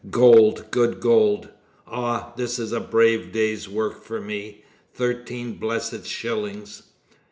"Gold! good gold! Ah! this is a brave day's work for me thirteen blessed shillings!"